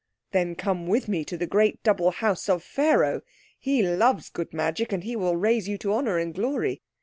"Then come with me to the great double house of Pharaoh. He loves good magic, and he will raise you to honour and glory.